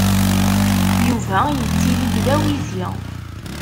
Yuba yettili-d d awizi.